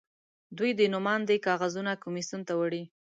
دوی د نوماندۍ کاغذونه کمېسیون ته وړي.